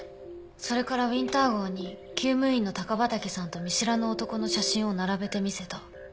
それからウィンター号に厩務員の高畠さんと見知らぬ男の写真を並べて見せた。